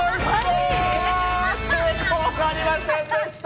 成功なりませんでした！